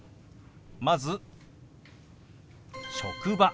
まず「職場」。